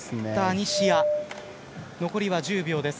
残りは１０秒です。